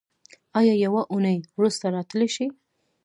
ایا یوه اونۍ وروسته راتلی شئ؟